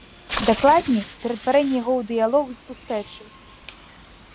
Дакладней, ператварэнне яго ў дыялог з пустэчай.